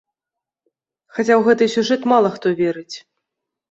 Хаця ў гэты сюжэт мала хто верыць.